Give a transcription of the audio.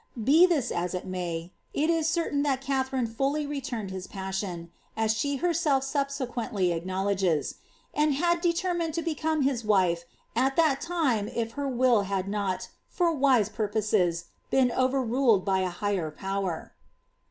He this as it mav, it is certain that Katharine fullv returned 1 passion, as she herself subsequently acknowledges, ^and had del mined to become his wife at that time if her will liad not, for wise pi poses, been overruled by a higher power."